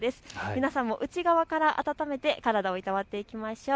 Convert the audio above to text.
皆さんも内側から温めで体をいたわっていきましょう。